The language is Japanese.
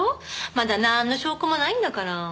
まだなんの証拠もないんだから。